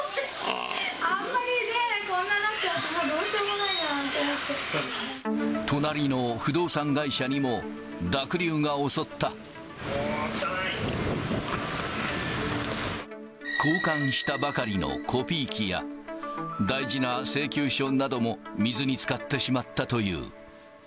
あんまりねぇ、こんななっちゃうと、隣の不動産会社にも濁流が襲もう、交換したばかりのコピー機や、大事な請求書なども水につかってしまったという。